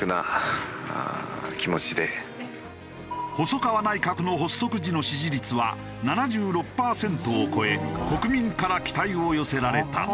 細川内閣の発足時の支持率は７６パーセントを超え国民から期待を寄せられた。